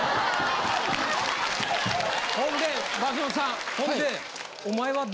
ほんで松本さんほんで。